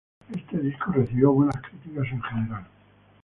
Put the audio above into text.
Este disco recibió buenas críticas en general.